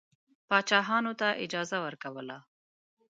پاچاهانو ته اجازه ورکوله.